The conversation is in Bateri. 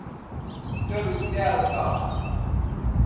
کرُو څھیال کھا